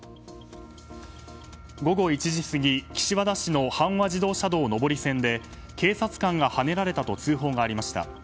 午後１時過ぎ岸和田市の阪和自動車道上り線で警察官がはねられたと通報がありました。